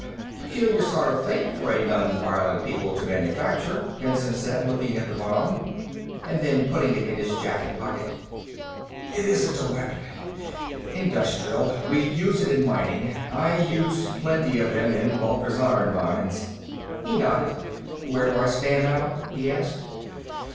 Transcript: "Peculiar sort of thing for a non violent people to manufacture," Benson said, looking at the bomb and then putting it in his jacket pocket. "It isn't a weapon. Industrial; we use it in mining. I used plenty of them, in Walter's iron mines." He nodded again. "Where do I stand, now?" he asked.